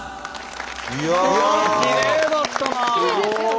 きれいだったなあ！